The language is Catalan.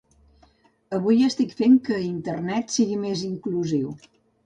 Avui estic fent que Internet sigui més inclusiu.